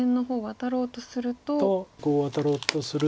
ワタろうとすると。